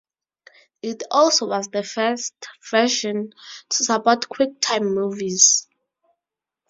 It also was the first version to support QuickTime movies.